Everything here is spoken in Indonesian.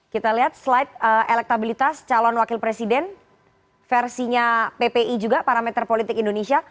kita lihat slide elektabilitas calon wakil presiden versinya ppi juga parameter politik indonesia